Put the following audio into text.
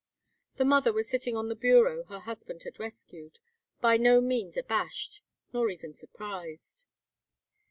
The mother was sitting on the bureau her husband had rescued, by no means abashed, nor even surprised.